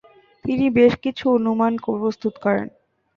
তিনি বেশ কিছু অনুমান প্রস্তুত করেন।